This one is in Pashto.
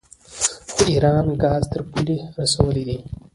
خو ایران ګاز تر پولې رسولی دی.